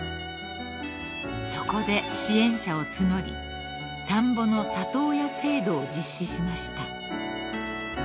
［そこで支援者を募り田んぼの里親制度を実施しました］